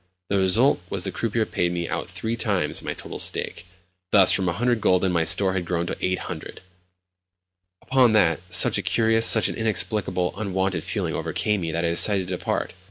The result was that the croupier paid me out three times my total stake! Thus from 100 gülden my store had grown to 800! Upon that such a curious, such an inexplicable, unwonted feeling overcame me that I decided to depart.